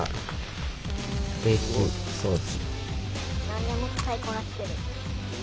何でも使いこなしてる。